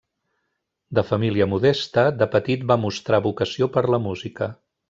De família modesta, de petit va mostrar vocació per la música.